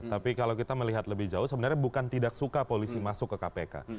tapi kalau kita melihat lebih jauh sebenarnya bukan tidak suka polisi masuk ke kpk